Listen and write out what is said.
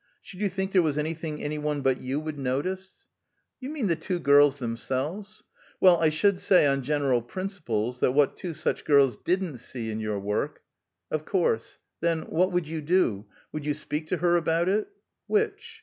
"Should you think there was anything any one but you would notice?" "You mean the two girls themselves? Well, I should say, on general principles, that what two such girls didn't see in your work " "Of course! Then what would you do? Would you speak to her about it?" "Which?"